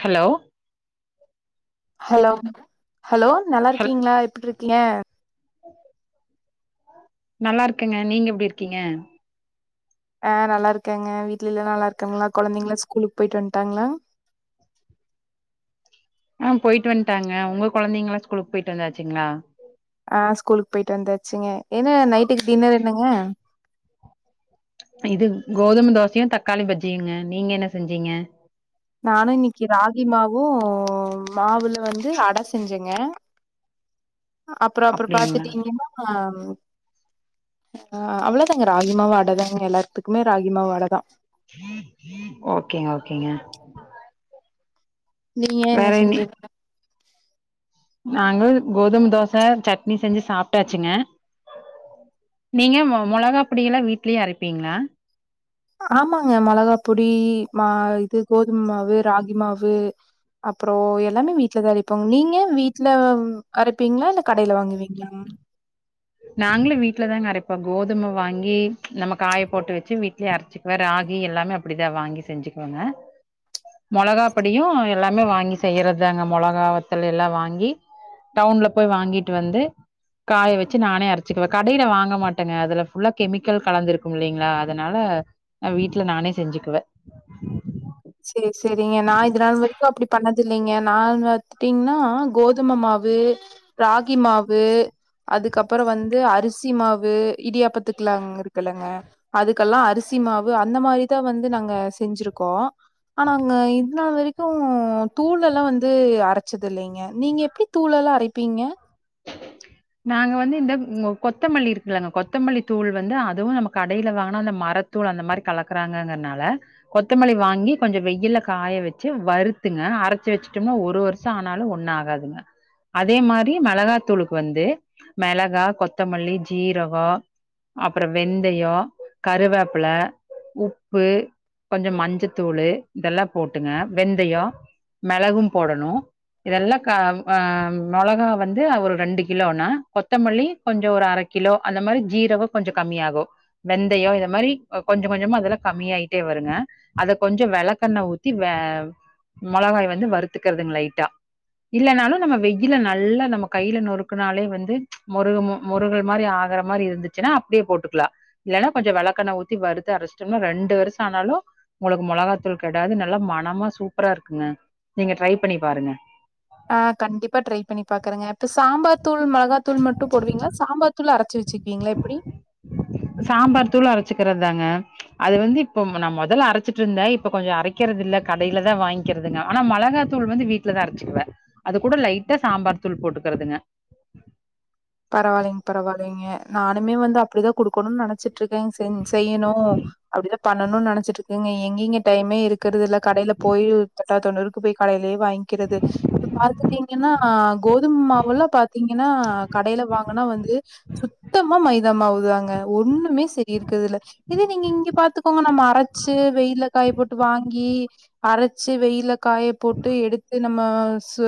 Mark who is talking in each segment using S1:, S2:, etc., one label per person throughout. S1: Hello
S2: hello hello நல்லா
S1: ஹல்
S2: இருக்கீங்ளா எப்டி இருக்கீய
S1: நல்லா இருக்கங்க நீங்க எப்டி இருக்கீங்க
S2: அ நல்லா இருக்கங்க வீட்ல எல்லா நல்லா இருக்காங்களா கொழந்தங்களா ஸ்கூலுக்கு போய்ட்டு வண்ட்டாங்களா
S1: ஆ போய்ட்டு வண்டாங்க உங்க குழந்தைங்களல்லா ஸ்கூலுக்கு போய்ட்டு வந்தாச்சுங்ளா
S2: ஆ ஸ்கூலுக்கு போய்ட்டு வந்தாச்சுங்க என்ன நைட்டுக்கு டின்னர் என்னங்க
S1: இது கோதும தோசையு தக்காளி பஜ்ஜியுங்க நீங்க என்ன செஞ்சீங்க
S2: நானு இன்னிக்கு ராகி மாவு மாவுல வந்து அட செஞ்சங்கே அப்ற அப்ற
S1: அப்டிங்களா
S2: பாத்துட்டீங்கினாம் ஆ அவ்ளதாங்க ராகி மாவு அட தாங்க எல்லாத்துக்குமே ராகி மாவு அடதா
S1: ஓகேங்க ஓகேங்க
S2: நீங்க என்ன
S1: வேற இனி
S2: செஞ்சீங்
S1: நாங்க கோதும தோச சட்னி செஞ்சி சாப்டாச்சிங்க நீங்க மொ மொளகாப் பொடிலா வீட்லியே அரைப்பீங்ளா
S2: ஆமாங்க மெளகாப் பொடி மா இது கோதும மாவு ராகி மாவு அப்றோ எல்லாமே வீட்லதரைப் போங் நீங்க வீட்ல வ அரைப்பீங்ளா இல்ல கடைல வாங்குவீங்ளா
S1: நாங்ளு வீட்ல தாங்க அரைப்போ கோதும வாங்கி நம்ம காயப்போட்டு வச்சு வீட்லியே அரச்சி சிக்வே ராகி எல்லாமே அப்டிதா வாங்கி செஞ்சுக்வேங்க மொளகாப் படியு எல்லாமே வாங்கி செய்யறத்தாங்க மொளகா வத்தல் எல்லா வாங்கி டவுன்ல போய் வாங்கிட்டு வந்து காய வச் ச்சி நானே அரச்சுக்குவே கடைல வாங்க மாட்டேங்க அதல ஃபுல்லா கெமிக்கல் கலந்திருக்கும் இல்லிங்ளா அதனால அ வீட்ல நானே செஞ்சுக்குவே
S2: சேர் செரிங்க நா இது நாள் வரைக்கு அப்டி பண்ணத் தில்லைங்க நான் வத்துட்டீங்னா கோதும மாவு ராகி மாவு அதுக்கப்பறோ வந்து அரிசி மாவு இடியாப்பத்துக்லாங் இருக்கலங்க அதுக்கல்லா அரிசி மாவு அந்த மாரிதா வந்து நாங்க செஞ்சிருக்கோ ஆனா அங்க இது நாள் வரைக்கு தூள் எல்லா வந்து அரச்சது இல்லைங்க நீங்க எப்டி தூள் எலா அரைப்பீங்க
S1: நாங்க வந்து இந்த கொ கொத்தமல்லி இருக்குல்லங்க கொத்தமல்லி தூள் வந்து அதுவு நம்ம கடைல வாங்கனா அந்த மரத் தூள் அந்த மாரி கலக்கறாங்ககர்னால கொத்தமல்லி வாங்கி கொஞ்ச வெய்யில காய வச்சு வறுத்துங்க அரச்சு வச்சட்டம்னா ஒரு வருஷ் ஷ ஆனாலு ஒன்னு ஆகாதுங்க அதே மாரி மெளகாத்தூளுக்கு வந்து மெளகா கொத்தமல்லி ஜீரகோ அப்றோ வெந்தயோ கருவேப்பல உப்பு கொஞ்ச மஞ்சத்தூளு இதெல்லாம் போட்டுங்க வெந்தயோ மெளகும் போடணு இதெல்லாக் கேம் ஆம் மொளகா வந்து ஒரு ரெண்டு கிலோனா கொத்தமல்லி கொஞ்சோ ஒரு அர கிலோ அந்த மாரி ஜீரகோ கொஞ்சோ கம்மியாகு வெந்தயோ இத மாரி கொஞ்ச கொஞ்சமா அதெலா கம்மியாயிட்டே வருங்கே அதக் கொஞ்சோ வெளக்கெண்ண ஊத்தி வே மொளகாய் வந்து வறுத்துக்கிறதுங் லைட்டா இல்லனாலு நம்ம வெயில நல்லா நம் நம்ம கையில நொறுக்குனாலே வந்து முருகுமு முருகள் மாரி ஆகற மாரி இருந்துச்சுனா அப்டியே போட்டுக்லா இல்லனா கொஞ்ச வெளக்கெண்ண ஊத்தி வறுத்து அரச்டம்னா ரெண்டு வருஷ ஆனாலு உங்குளுக்கு மொளகாத்தூள் கெடாது நல்லா மனமா சூப்பராருக்குங்க நீங்க ட்ரைப் பண்ணி பாருங்க
S2: அ கண்டிப்பா ட்ரைப் பண்ணி பாக்கறங்க இப்ப சாம்பார்த் தூள் மெளகாத்தூள் மட்டு போடுவீங்ளா சாம்பார்த் தூள் அரச்சு வச்சுக்வீங்ளா எப்டி
S1: சாம்பார்த் தூள் அரச்சுக்றத்தாங்க அது வந்து இப்போம் நா மொதல அரச்சிட்ருந்தே இப்ப கொஞ்ச அரைக்கிறதில்ல கடைலதா வாய்ங் கிறதுங்க ஆனா மொளகாத்தூள் வந்து வீட்லதா அரச்சுக்குவே அது கூட லைட்டா சாம்பார்த்தூள் போட்டுக்கிறதுங்க
S2: பரவால்லைங் பரவால்லைங்க நானுமே வந்து அப்டிதா குடுக்கணுன் நெனச்சிட்ருக்கேங் சென் செய்யிணு அப்டிதா பண்ணணுன் நெனச்சிட்ருக்கங்க எங்கிங்க டைமே இருக்கறதில்ல கடைலப் போய் தொட்டா தொண்ணூறுக்கு போய் கடைலியேப் வாய்ங்க்கிறது இப்ப பாத்துட்டீங்கினா கோதும் மவுலாம் பாத்தீங்கினா கடைல வாங்கனா வந்து சுத்தமா மைதா மாவுதாங்க ஒன்னுமே செரி இருக்றதுல்ல இதே நீங்க இங்க பாத்துக்கோங்க நம்ம அரச்சு வெய்யில காயப்போட்டு வாங்கி அரைச்சி வெயில்ல காய போட்டு எடுத்து நா மா சு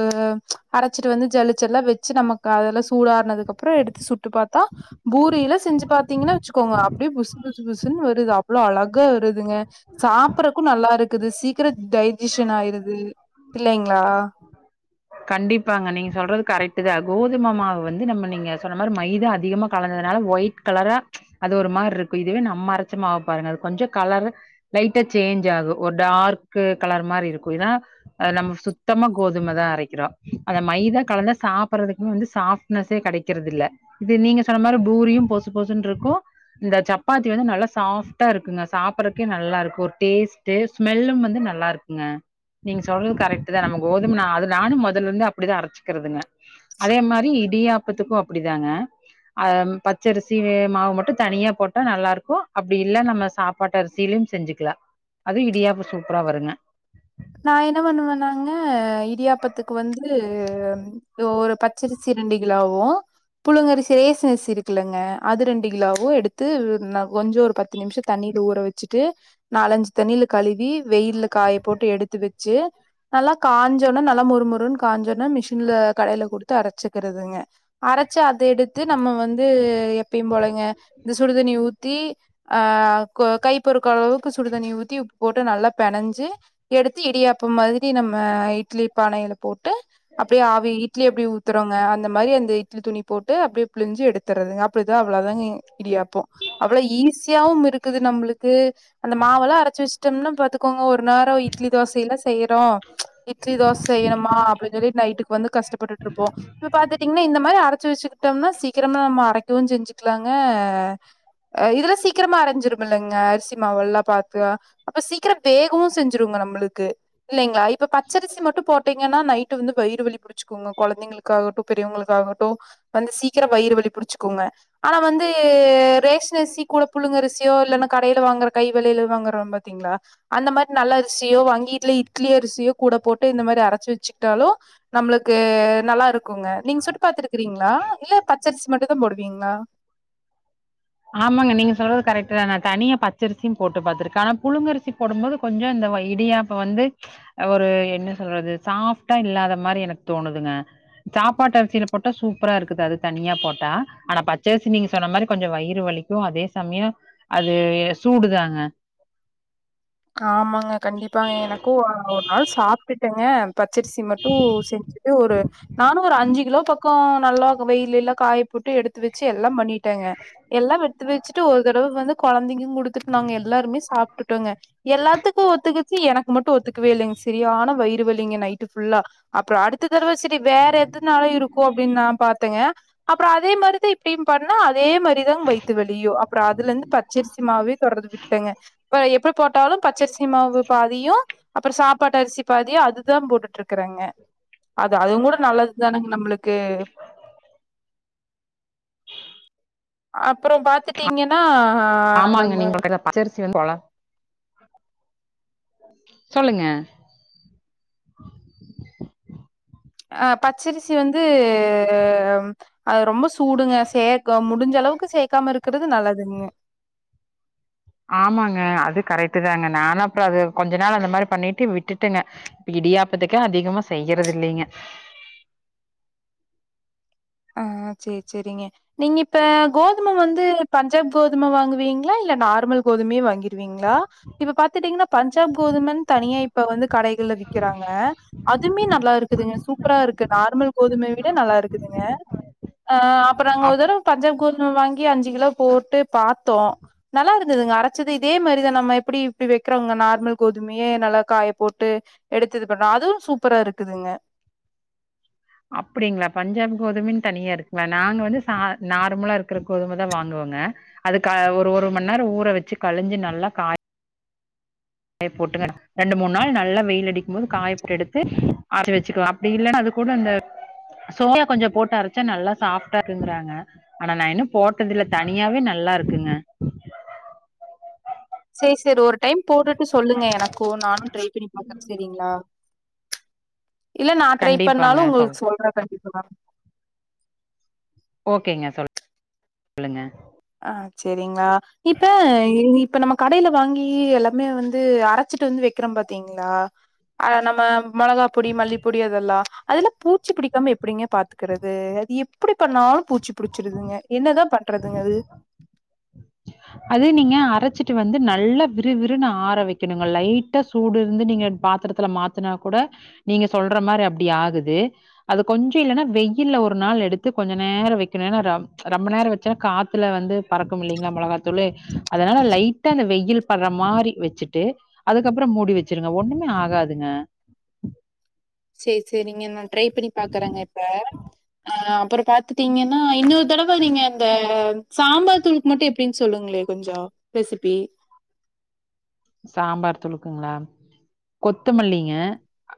S2: அரைச்சிட்டு வந்து ஜளிச்செல்லா வெச்சு நமக்கு அதெல்லாம் சூடு ஆர்னதுக் ப்றோ எடுத்து சுட்டு பாத்தா பூரியில செஞ்சு பாதீங்னா வெச்சுக்கோங்க அப்டியே புஸ் புஸ் புஸுன்னு வருது அவ்ளோ அழகா வருதுங்க சாப்பறக்கும் நல்லா இருக்குது சீக்கிரம் டைஜிஷன் ஆயிருது இல்லைங்ளா
S1: கண்டிப்பாங்க நீங்க சொல்றது கரெக்ட் தா கோதும மாவ வந்து நம்ம நீங்க சொன்ன மாரி மைதா அதிகமா கலந்ததுனால ஒயிட் கலரா அது ஒரு மார்ரிருக்கும் இதுவே நம்ம அரைச்ச மாவ பாருங்க அது கொஞ்சம் கலர்ரா லைட்டா சேஞ்ச் ஆகு ஒரு டார்க்கு கலர் மாரி இருக்கும் இதனா அ நம்ம சுத்தமா கோதுமைதா அரைக் கிறோ அந்த மைதா கலந்தா சாப்டறதுக்கு வந்து சாப்ட்னஸே கெடைக்கிறது இல்ல இது நீங்க சொன்ன மாரி பூரியும் பொசு பொசுன்டுருக்கு இந்த சப்பாத்தி வந்து நல்லா சாஃப்ட்டா இருக்குங்க சாப்புறக்கே நல்லா இருக்கு ஒரு டேஸ்ட் டேஸ்ட் ஸ்மெல்லும் வந்து நல்லா இருக்குங்க நீங்க சொல்றது கரெக்ட் தா நம்ம கோதும நா அது நானு மொதல்லந்து அப்டிதா அரைச்சுக்கிறதுங்க அதே மாரி இடியாப்பத்துக்கும் அப்டிதாங்க அஹ் பச்சரிசி மாவு மட்டு தனியா போட்டா நல்லா இருக்கு அப்டி இல் நம்ம சாப் பாட்டரிசிலியும் செஞ்சுக்கலா அது இடியாப்போ சூப்பரா வருங்க
S2: நா என்ன பண்ணுவேன்னாங்க இடியாப்பத்துக்கு வந்து ஒரு பச்சரிசி ரெண்டு கிலோவு புழுங்கரிசி ரேசன் அரிசி இருக்குலங்க அது ரெண்டு கிலோவு எடுத்து நா கொஞ்சம் ஒரு பத் து நிம்ஷோ தண்ணீல ஊற வச்சுட்டு நாலஞ்சு தண்ணீல கழுவி வெயில காய போட்டு எடுத்து து வெச்சு நல்லா காஞ்சோன்னே நல்லா முறுமுருன்னு காஞ்சனே மிஷின்ல கடையில குடுத்து அரைச்சிக்றதுங்க அரச்சு அத எடுத்து நம்ம வந்து எப்பயும் போலங்க இந்த சுடுதண்ணி ஊத் தி அஹ் கை பொருக்க அளவுக்கு சுடுதண்ணி ஊத்தி உப்பு போட்டு நல்லா பெனஞ்சு எடுத்து இடியாப்ப மாதிரி நம்ம இட்லி பானையில போட்டு அப்டியே ஆவி இட்லி எப்டி ஊத்துறோங்க அந்த மாதிரி அந்த இட்லி துணி போட்டு அப்டியே புளிஞ்சு எடுத்துறதுங்க அப்டிதா அவ்ளோ தான்ங்க இடியாப்போ அவ்ளோ ஈஸியாவும் இருக்குது நம்ளுக்கு அந்த மாவெல்லா அரைச்சு வச்சட்டோம்னா பாத்துக்கோங்க ஒரு நா இட்லி தோசையெல்ல செய்றோ இட்லி தோச செய்ணுமா அப்டின்னு சொல்லி நைட்டுக்கு வந்து கஷ்டப்பட்டுட்டுருப்போ இப்ப பாத்துட்டீங்கனா இந்த மாரி அரச்சு வச்சுக்கிட்டோம்னா சீக்கிரமா நம்ம அரைக்கவும் செஞ்சிக்கலாங்க இதல்லா சீக்கிரமா அரைஞ்சிரும்மல்லங்க அரிசி மாவு எல்லா பாத்து அப்ப சீக்கிரம் வேகவு செஞ் சிருங்க நம்ளுக்கு இல்லைங்க இப்ப பச்சரிசி மட்டும் போட்டீங்கன்னா நைட்டு வந்து வயிறு வலி பிடிச்சக்கோங்க கொழந்தைங் காகட்டு பெரியவங்களுக்காகட்டு வந்து சீக்கிர வயிறு வலி புடிச்சுக்கோங்க ஆனா வந்து ரேஷன் அரிசி கூட புழுங்க அரிசியோ இல்லன்னா கடையில வாங்குற கை வலையில வாங்குறோ பாத்தீங்களா அந்த மாரி நல்ல அரிசியோ வங்கீ இல்ல இட்லி அரிசியோ கூட போட்டு இந்த மாரி அரைச்சு வச்சுக்கிட்டாலு நம்ளுக்கு நல்லா இருக்குங்க நீங்க சுட்டு பாத்துருக்கறீங்களா இல்ல பச்சரிசி மட்டுத்தா போடுவீங்களா
S1: ஆமாங்க நீங்க சொல்றது கரெக்டுதா நா தனிய பச்சரிசியு போட்டு பாத்திருக்க ஆனா புழுங்க அரிசி போடும் போது கொஞ்சோ இந்த இடியாப்பம் வந்து ஒரு என்ன சொல்றது சாஃப்டா இல்லாத மாரி எனக் தோணுதுங்க சாப்பாட்டு அரிசியில போட்டா சூப்பரா இருக்குது அது தனியா போட்டா ஆனா பச்சரிசி நீங்க சொன்ன மாரி கொஞ்சம் வயிறு வலிக்கு அதே சமயம் அது சூடுதாங்க
S2: ஆமாங்க கண்டிப்பாங்க எனக்கு ஒரு நாள் சாப்டுட்டே பச்சரிசி மட்டு செஞ்சிட்டு ஒரு நானு ஒரு அஞ்சு கிலோ பக்கோ நல்லா வெயிலல்ல காய போட்டு எடுத்து வெச்சு எல்லா பண்ணிட்டேங்க எல்லா எட்த்து வெச்சுட்டு ஒரு தடவ வந்து கொழந்தைங்கு குடுத்துட் நாங்க எல்லாருமே சாப்ட்டுட்டோங்க எல்லாத்துக்கு ஒத்துக்குச்சி எனக் மட்டு ஒத்துக்கவே இல்லங் சரியான வயிறு வலிங்க நைட்டு் ஃபுல்லா அப்ற அடுத் த்து தடவ சரி வேற எதுனால இருக்கு அப்டின் நா பாத்தங்க அப்ற அதே மாரிதெய் டிமங பண்னா அதே மாரிதாங் வைத்து வலியு அப்ற அதுலந்து தச்சரிசிமாவே தொடரந்து விட்டுட்டேங்க ப எப்பி போட் பச்சரிசி மாவு பாதியு அப்ற சாப்பாட்டு அரிசி பாதியு அதுதா போட்டுட்ருக்றங்க அது அதுவு கூட நல்லதுதானுங் நம்ளுக்கு அப்புறம் பாத்து த்தீங்கன்னா ஹா
S1: ஆமாங்க நீங்கள் க பச்சரிசி வந்து போல சொல்லுங்க
S2: ஆ பச்சரிசி வந்து அம் அது ரொம்ப ஸு தூடுங்க சேக்கொம் முடிஞ்ச அளவுக்கு சேக்காம இருக்குறது நல்லதுங்க
S1: ஆமாங்க அது கரெக்ட் தாங்க நானா அப்ற அது கொஞ்ச நாள் அந்த மாரி பண்ணிட்டு விட்டுட்டுங்க இடியாப்பத்துக்கு அதிகமா செய்யுறது இல்லங்க
S2: ஆ சேர் சேரிங்க நீங்க இப்ப கோதும வந்து பஞ்சாப் கோதும வாங்குவீங்களா இல்ல நார்மல் கோதுமையே வாங்கிருவீங்ளா இப்ப பாத்துட்டீங்கனா பஞ்சாப் கோதுமன் தனியா இப்ப வந்து கடைகள்ல விக்கிறாங்க அதுமே நல்லா இருக்குதுங்க சூப்பரா இருக்கு நார்மல் கோதுமைய விட நல்லா இருக்குதுங்க அ அப்றங் ஒரு
S1: அப்
S2: தடவ் பஞ்சாப் கோதும வாங்கி அஞ்சி கிலோ போட்டு பாத்தோ நல்லா இருந்ததுங்க அரச்சது இதே மாரிதா நம்ம எப்படி இப்படி வைக்கிறோங்க நார்மல் கோதுமையே நல்லா காய போட்டு எடுத்தது பண்ற அதுவு சூப்பரா இருக்குதுங்க
S1: அப்டிங்களா பஞ்சாப் கோதுமென் தனியா இருக்வ நாங்க வந்து சா நார்மலா இருக்ற கோதும தா வாங்குவோங்க அதுக்கா ஒரு ஒரு மண்நேரம் ஊற வச்சு கழிஞ்சு நல்லா காய் யே போட்டுங்கணா ரெண்டு மூண் நாள் நல்லா வெயில் அடிக்கும் போது காயப்ட்டு எடுத்து அரச்சி வச்சுக்குவே அப்டி இல்லன்னா அது கூட இந்த சோயா கொஞ்ச போட்டு அரச்சா நல்லா சாஃப்ட்டா ருன்றாங்க ஆனா நா இன்னு போட்டதுல்ல தனியாவே நல்லா இருக்குங்க
S2: சே செர் ஒரு டைம் போட்டுட்டு சொல்லுங்க எனக்கு நானு ட்ரை பண்ணி பாக்ற செரிங்ளா இல்ல நா ட்ரை பண்ணாலு
S1: கண்டிப்பாங்க
S2: உங்கு
S1: சொல்
S2: சொல்ற கண்டிப்பா
S1: ஓகேங்க சொல் உல்லுங்க
S2: ஆ செரிங்ளா இப்ப இங் இப் இப்ப நம்ம கடைய்ல வாங்கி எல்லாமே வந்து அரச்சிட்டு வந்து வெக்றோம் பாத்தீங்ளா ஆ நம்ம மொளகா பொடி மல்லிப்பொடி அதெல்லா அதுல பூச்சி புடிக்காம எப்டிங்க பாத்துக்குறது அது எப்டி பண்ணாலும் பூச்சி புடிச்சிருதுங்க என்னதா பண்றதுங்க அது
S1: அது நீங்க அரச்சிட்டு வந்து நல்லா விறு விறுனு ஆர வைக்கணுங்க லைட்டா சூடு இருந்து நீங்க பாத்திரத் த்துல மாத்துனா கூட நீங்க சொல்ற மாரி அப்டி ஆகுது அது கொஞ்சு இல்லன்னா வெயில்ல ஒரு நாள் எடுத்து கொஞ்ச நேர வெக்கணு ஏனா ரம் ரொம்ப நேர வச்சா காத்துல வந்து பறக்கும் இல்லைங்ளா மொளகாத்தூளு அதனால லைட்டா அந்த வெயில் பர்ற மாரி வெச்சிட்டு அதுக்கப்றம் மூடி வெச்சிருங்க ஒண்ணுமே ஆகாதுங்க
S2: [inaudible] சேர் செரிங்க நான் ட்ரை பண்ணி பாக்குறங்க இப்ப அ அப்றோ பாத்துட்டீங்கன்னா இன்னூத் த்தடவ நீங்க இந்த சாம்பார் தூளுக்கு மட்டு எப்டின் சொல்லுங்ளே கொஞ்சோ ரெசிபி
S1: சாம்பார் தூளுக்குங்ளா கொத்தமல்லிய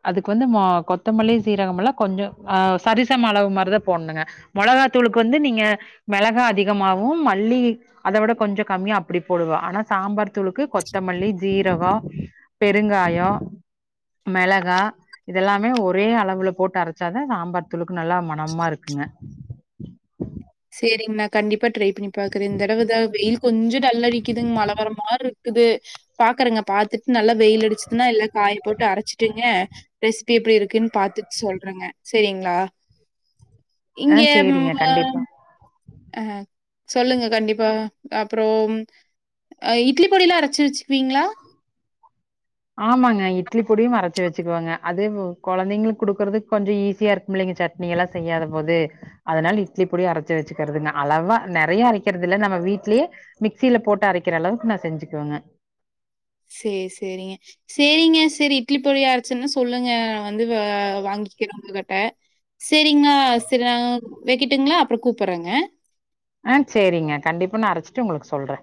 S1: அதுக்கு வந்து மா கொத்தமல்லி சீரகம்லா கொஞ்சோ ஆ சரிசம் அளவு மாரிதா போட்ணுங்க மொளகாத்தூளுக்கு வந்து நீங்க மெளகா அதிகமாவு மல்லி அத விட கொஞ்ச கம்மியா அப்டி போடுவா ஆனா சாம்பார் தூளுக்கு கொத்தமல்லி சீரகோ, பெருங்காயோ, மெளகா இதெல்லாமே ஒரே அளவுல போட்டு அரச்சாதா சாம்பார் தூளுக்கு நல்லா மனமா இருக்குங்க
S2: செரிங்க நா கண்டிப்பா ட்ரை பண்ணி பாக்குறே இந்த தடவ தா வெயில் கொஞ்சோ டல் அடிக்குதுங் மழ வர மாரிருக் குது பாக்குறேங்க பாத்துட்டு நல்லா வெயில் அடிச்சுதுனா எல்லா காய போட்டு அரச்சிட்டுங்க ரெசிபி எப்டி இருக்குனு பாத்துட் சொல்றேங்க செரிங்ளா
S1: ஆ
S2: இங்கே ம்
S1: சேரிங்க கண்டிப்பா.
S2: மாம் அஹ் சொல்லுங்க கண்டிப்பா அப்றோம் இட்லி பொடிலா அரச்சி வச்சுக்குவீங்ளா
S1: ஆமாங்க இட்லி பொடியு அரச்சு வச்சுக்குவேங்க அது வு கொழந்தைங்களுக்கு குடுக்குறதுக் கொஞ்சோ ஈஸியா இருக் ம்புள்ளைங்க சட்னி எல்லா செய்யாத போது அதனால இட்லி பொடி அரச்சு வச்சுக்கறதுங்க அளவா நெறய அரக்கிறது இல்ல நம்ம வீட்லயே மிக்சில போட்டு அரக்கிற அளவுக்கு நா செஞ்சுக்குவேங்க
S2: சேர் செரிங்க சேரிங்க செரி இட்லி பொடி அரச்சுனா சொல்லுங்க நா வந்து வா வாங்கிக்கிறே ஒங்ககிட்ட சேரிங்க செரி நா வெக்கட்டுங்களா அப்றோ கூப்டுறேங்க
S1: ஆ சேரிங்க கண்டிப்பா நா அரச்சிட்டு உங்களுக்கு சொல்றே